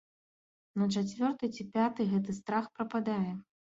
На чацвёрты ці пяты гэты страх прападае.